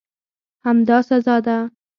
همدا سزا ده.